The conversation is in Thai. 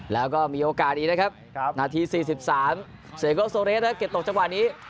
แล้วก็มีโอกาสอีกนะครับนาที๔๓เซโกโซเรสนะครับเก็บตกจังหวะนี้